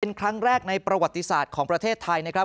เป็นครั้งแรกในประวัติศาสตร์ของประเทศไทยนะครับ